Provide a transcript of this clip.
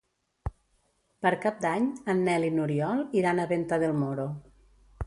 Per Cap d'Any en Nel i n'Oriol iran a Venta del Moro.